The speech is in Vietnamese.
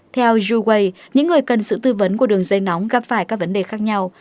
theo juway những người cần sự tư vấn của đường dây nóng gặp phải các vấn đề khác nhau